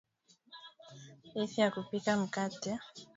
jinsi ya kupika mkate viazi lishe